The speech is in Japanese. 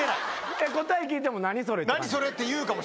答え聞いても何それって感じ？